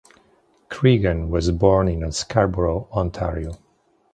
Creeggan was born in Scarborough, Ontario.